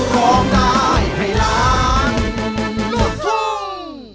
กลับมาโลกทุ่ม